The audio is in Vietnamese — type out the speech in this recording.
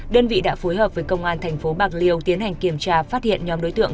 đơn vị đã phối hợp với công an thành phố bạc liêu tiến hành kiểm tra phát hiện nhóm đối tượng